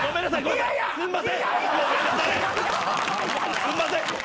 すんません！